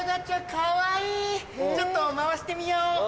ちょっと回してみよう！